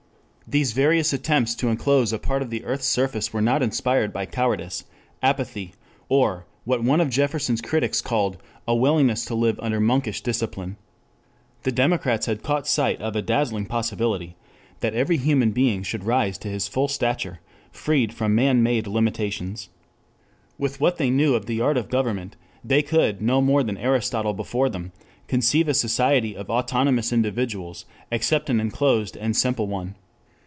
These various attempts to enclose a part of the earth's surface were not inspired by cowardice, apathy, or, what one of Jefferson's critics called a willingness to live under monkish discipline. The democrats had caught sight of a dazzling possibility, that every human being should rise to his full stature, freed from man made limitations. With what they knew of the art of government, they could, no more than Aristotle before them, conceive a society of autonomous individuals, except an enclosed and simple one.